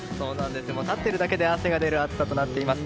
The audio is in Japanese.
立っているだけで汗が出る暑さとなっています。